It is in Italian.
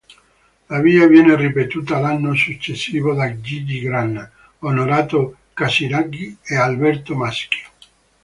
La via viene ripetuta l'anno successivo da Gigi Grana, Onorato Casiraghi e Alberto Maschio.